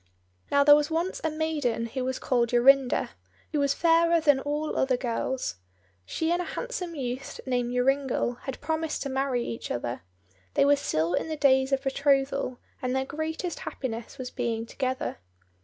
Now, there was once a maiden who was called Jorinda, who was fairer than all other girls. She and a handsome youth named Joringel had promised to marry each other. They were still in the days of betrothal, and their greatest happiness was being together.